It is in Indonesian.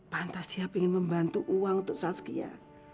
pantas dia ingin membantu uang untuk saskia